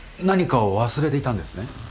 何かを忘れていたんですね？